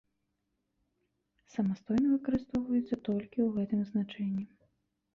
Самастойна выкарыстоўваецца толькі ў гэтым значэнні.